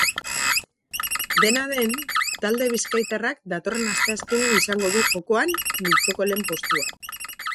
Dena den, talde bizkaitarrak datorren asteazkenean izango du jokoan multzoko lehen postua.